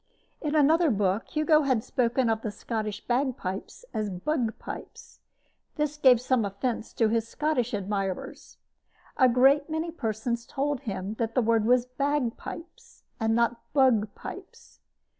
In another book Hugo had spoken of the Scottish bagpipes as "bugpipes." This gave some offense to his Scottish admirers. A great many persons told him that the word was "bagpipes," and not "bugpipes."